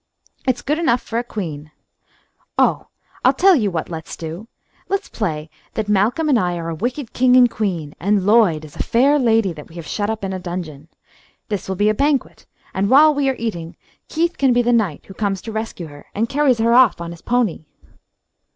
"It's good enough for a queen. Oh, I'll tell you what let's do. Let's play that Malcolm and I are a wicked king and queen and Lloyd is a 'fair ladye' that we have shut up in a dungeon. This will be a banquet, and while we are eating Keith can be the knight who comes to her rescue and carries her off on his pony."